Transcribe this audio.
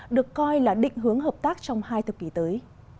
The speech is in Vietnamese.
được coi là định hướng hợp tác trong hai thập kỷ tới